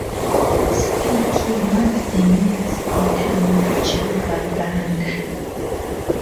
Speke yamala emyezi ng'etaano ku kibuga Bbanda.